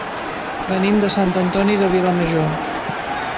Venim de Sant Antoni de Vilamajor.